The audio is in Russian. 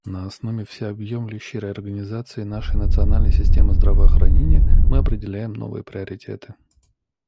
На основе всеобъемлющей реорганизации нашей национальной системы здравоохранения мы определяем новые приоритеты.